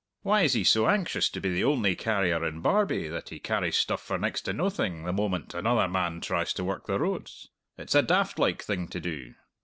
Why is he so anxious to be the only carrier in Barbie that he carries stuff for next to noathing the moment another man tries to work the roads? It's a daft like thing to do!"